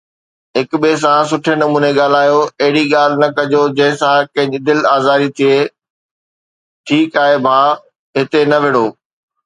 هڪ ٻئي سان سٺي نموني ڳالهايو، اهڙي ڳالهه نه ڪجو جنهن سان ڪنهن جي دل آزاري ٿئي، ٺيڪ آهي ڀاءُ هتي نه وڙهو.